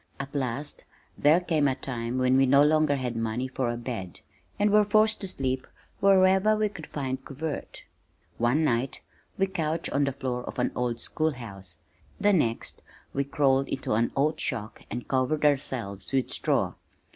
At last there came a time when we no longer had money for a bed, and were forced to sleep wherever we could find covert. One night we couched on the floor of an old school house, the next we crawled into an oat shock and covered ourselves with straw.